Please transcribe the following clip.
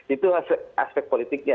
itu aspek politiknya